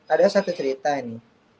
ada satu cerita ini